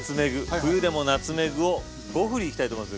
冬でもナツメグを５ふりいきたいと思います！